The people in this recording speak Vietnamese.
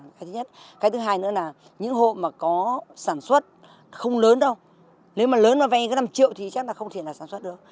cái thứ hai nữa là những hộ mà có sản xuất không lớn đâu nếu mà lớn mà vay năm triệu thì chắc là không thể sản xuất được